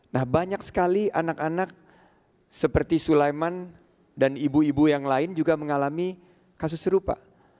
nah banyak sekali anak anak seperti sulaiman dan ibu ibu yang lain juga mengalami kasus serupa